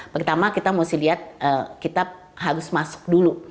pertama kita mesti lihat kita harus masuk dulu